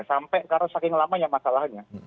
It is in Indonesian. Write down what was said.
sampai karena saking lama ya masalahnya